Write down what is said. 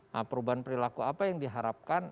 nah perubahan perilaku apa yang diharapkan